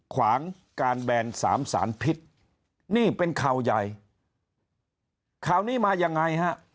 ขวางการแบนสามสารพิษนี่เป็นข่าวใหญ่ข่าวนี้มายังไงฮะ